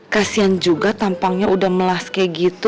kasian juga tampangnya udah melas kayak gitu